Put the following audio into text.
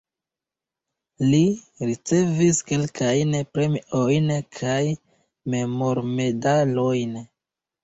Li ricevis kelkajn premiojn kaj memormedalojn.